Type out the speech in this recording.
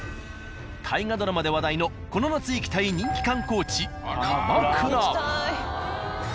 ［大河ドラマで話題のこの夏行きたい人気観光地］